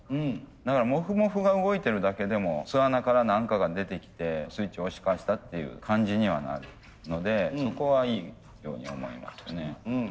だからモフモフが動いてるだけでも巣穴から何かが出てきてスイッチを押し返したっていう感じにはなるのでそこはいいように思いますね。